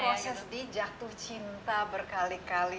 jadi sebenarnya proses di jatuh cinta berkali kali